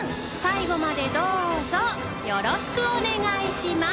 紊泙どうぞよろしくお願いします